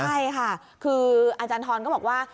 ใช่ค่ะคืออาจารย์ทรก็บอกว่า